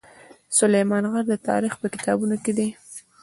سلیمان غر د تاریخ په کتابونو کې دی.